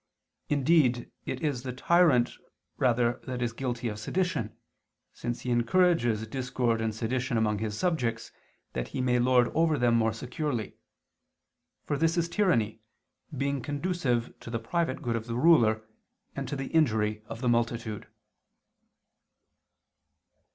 Indeed it is the tyrant rather that is guilty of sedition, since he encourages discord and sedition among his subjects, that he may lord over them more securely; for this is tyranny, being conducive to the private good of the ruler, and to the injury of the multitude.